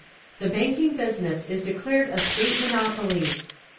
The banking business is declared a state monopoly.